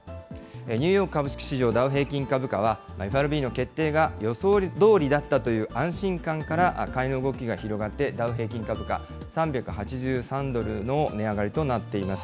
ニューヨーク株式市場、ダウ平均株価は、ＦＲＢの決定が予想どおりだったという安心感から買いの動きが広がってダウ平均株価、３８３ドルの値上がりとなっています。